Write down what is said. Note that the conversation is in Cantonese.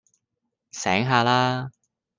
醒下啦